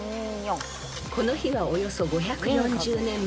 ［この日はおよそ５４０年前］